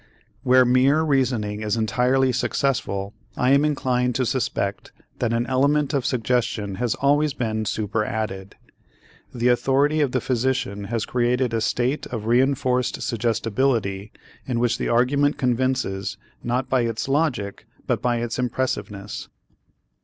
Where mere reasoning is entirely successful, I am inclined to suspect that an element of suggestion has always been superadded. The authority of the physician has created a state of reënforced suggestibility in which the argument convinces, not by its logic but by its impressiveness.